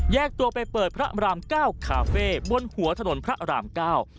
ตัวไปเปิดพระรามเก้าคาเฟ่บนหัวถนนพระรามเก้า